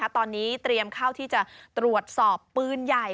ตอนนี้เตรียมเข้าที่จะตรวจสอบปืนใหญ่